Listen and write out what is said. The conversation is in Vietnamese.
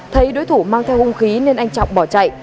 thấy đối thủ mang theo hung khí nên anh trọng bỏ chạy